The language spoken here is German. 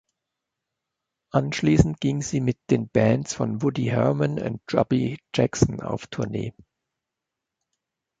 Anschließend ging sie mit den Bands von Woody Herman und Chubby Jackson auf Tournee.